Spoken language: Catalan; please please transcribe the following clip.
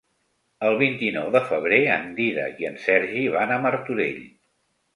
El vint-i-nou de febrer en Dídac i en Sergi van a Martorell.